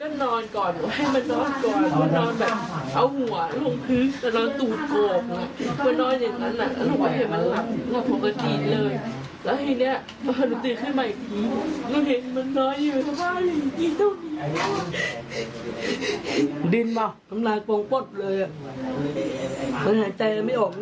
ต้องมีอะไรแน่เลยนะ